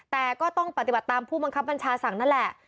แต่ก็ต้องปฏิบัติตามผู้บังคับบัญชาสั่งนั่นแหละ